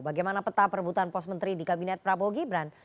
bagaimana peta perebutan pos menteri di kabinet prabowo gibran